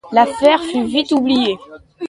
L’affaire fut vite oubliée.